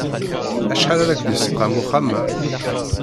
Acḥal ara k-d-isqam uxxam-a?